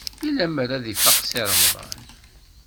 I lemmer ad ifaq Si Remḍan?